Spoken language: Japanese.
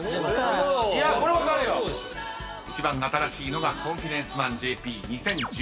［一番新しいのが『コンフィデンスマンＪＰ』２０１８年］